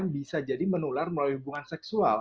bisa jadi menular melalui hubungan seksual